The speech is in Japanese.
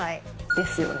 ですよね。